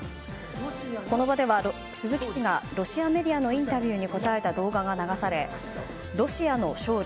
この場では鈴木氏がロシアメディアのインタビューに答えた動画が流されロシアの勝利